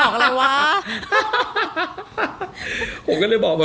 พี่โอ๊ยจะบอกอะไรวะ